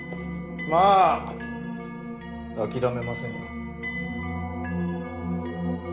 まあ諦めませんよ。